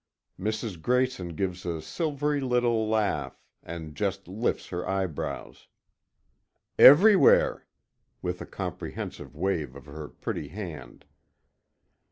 Mrs. Grayson gives a silvery little laugh, and just lifts her eyebrows. "Everywhere," with a comprehensive wave of her pretty hand.